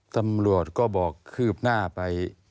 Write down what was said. ตำรวจก็บอกคืบหน้าไป